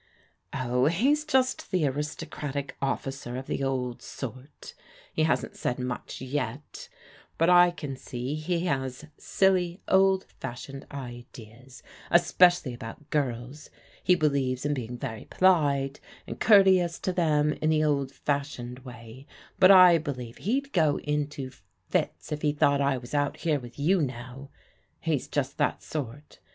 Oh, he's just the aristocratic officer of the old sort* He ha^t said much ytt, hut I can see he has sWVy , o\^ 80 PRODIGAL DAUGHTERS fashioned ideas, especially about girls. He believes in being very polite and courteous to them in the old fash ioned way, but I believe he'd go into fits if he thought I was out here with you now. He's just that sort.